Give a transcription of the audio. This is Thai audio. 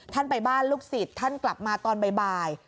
ไปบ้านลูกศิษย์ท่านกลับมาตอนบ่าย